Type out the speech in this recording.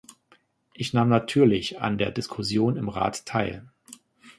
Ich nahm natürlich an der Diskussion im Rat teil.